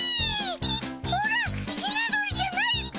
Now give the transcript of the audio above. オラヒナ鳥じゃないっピ！